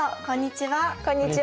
こんにちは。